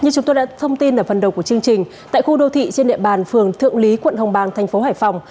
như chúng tôi đã thông tin ở phần đầu của chương trình tại khu đô thị trên địa bàn phường thượng lý quận hồng bàng thành phố hải phòng